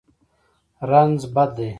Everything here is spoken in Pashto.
رنځ بد دی.